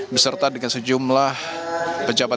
beserta dengan sejumlah pejabat